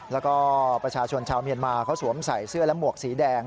แล้วก็ประชาชนชาวเมียนมาเขาสวมใส่เสื้อและหมวกสีแดง